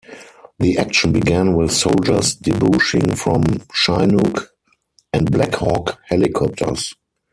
The action began with soldiers debouching from Chinook and Black Hawk helicopters.